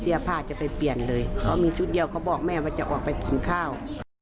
เป็นที่เจ็บป้าดจะไปเปลี่ยนเลยถ้ามีชุดเดี่ยวก็บอกแม่ว่าจะออกไปทานข้าว